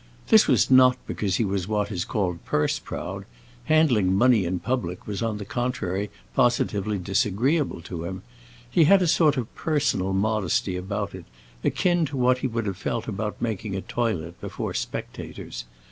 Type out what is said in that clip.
This was not because he was what is called purse proud; handling money in public was on the contrary positively disagreeable to him; he had a sort of personal modesty about it, akin to what he would have felt about making a toilet before spectators.